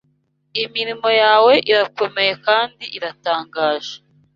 imirimo yawe irakomeye kandi iratangaje